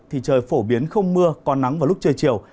thì trời phổ biến không mưa có nắng vào lúc trưa chiều